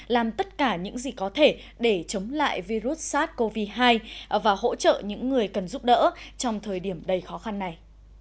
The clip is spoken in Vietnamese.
làm tất cả những gì có thể để chống lại virus sars cov hai và hỗ trợ những người cần giúp đỡ trong thời điểm đầy khó khăn này